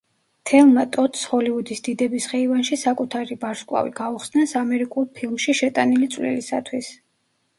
თელმა ტოდს ჰოლივუდის დიდების ხეივანში საკუთარი ვარსკვლავი გაუხსნეს ამერიკულ ფილმში შეტანილი წვლილისათვის.